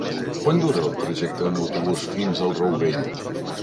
Quant dura el trajecte en autobús fins al Rourell?